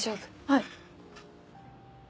はい。